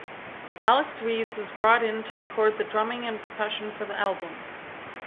Alex Reeves was brought in to record the drumming and percussion for the album.